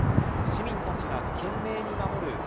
市民たちが懸命に守る